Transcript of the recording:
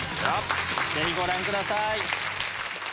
ぜひご覧ください。